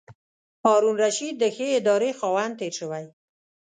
هارون الرشید د ښې ادارې خاوند تېر شوی.